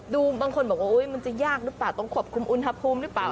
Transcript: บางคนบอกว่ามันจะยากหรือเปล่าต้องควบคุมอุณหภูมิหรือเปล่า